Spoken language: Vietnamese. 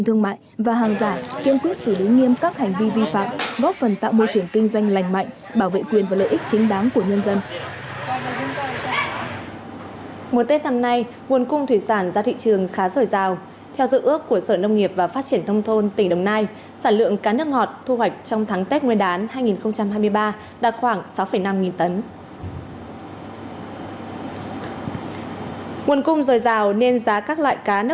tổ công tác đã phát hiện một số hành vi vi phạm pháp luật trong hoạt động kinh doanh hàng hóa nhập lậu vi phạm nhãn hàng hóa nhập lậu